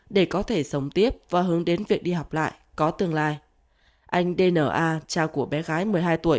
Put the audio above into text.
để có thể sống tiếp và hướng đến việc đi học lại có tương lai anh dna cha của bé gái một mươi hai tuổi